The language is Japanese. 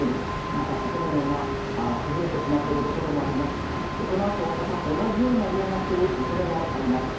また建物が崩れてしまっている所もあります、このあとまた同じような揺れが来るおそれがあります。